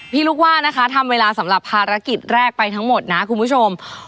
ลูกว่านะคะทำเวลาสำหรับภารกิจแรกไปทั้งหมดนะคุณผู้ชม